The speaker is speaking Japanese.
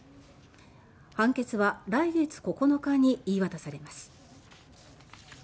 判決は来月９日に言い渡されます。